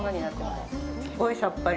すごいさっぱり。